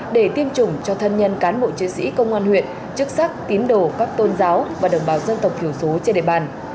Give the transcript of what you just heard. để tiêm chủng cho thân nhân cán bộ chiến sĩ công an huyện chức sắc tín đồ các tôn giáo và đồng bào dân tộc thiểu số trên địa bàn